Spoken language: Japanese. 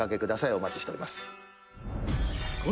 お待ちしております」